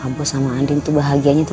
abu sama anding tuh bahagianya tuh